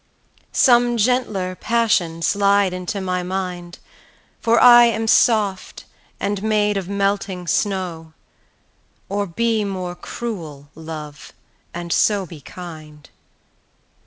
Some gentler passion slide into my mind, For I am soft, and made of melting snow; Or be more cruel, Love, and so be kind.